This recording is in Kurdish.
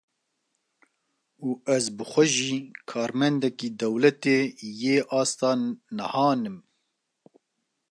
Û ez bi xwe jî karmendekî dewletê yê asta nehan im.